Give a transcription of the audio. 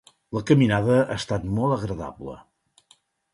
La caminada ha estat molt agradable.